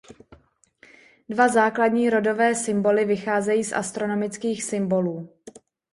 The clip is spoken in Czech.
Dva základní rodové symboly vycházejí z astronomických symbolů.